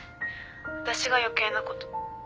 私が余計なこと